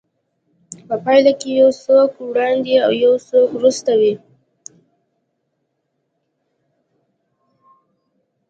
په پايله کې يو څوک وړاندې او يو څوک وروسته وي.